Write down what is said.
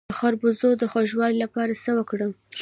د خربوزو د خوږوالي لپاره څه وکړم؟